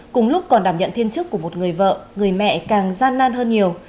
cùng lúc còn đảm nhận thiên chức của một người vợ người mẹ càng gian nan hơn nhiều